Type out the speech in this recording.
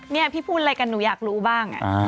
นี่พี่พูดอะไรกันหนูอยากรู้บ้าง